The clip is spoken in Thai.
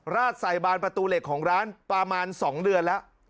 ราดใส่บานประตูเหล็กของร้านประมาณ๒เดือนแล้ว